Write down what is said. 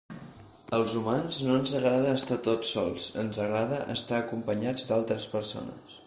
Als humans no ens agrada estar tots sols, ens agrada estar acompanyats d'altres persones.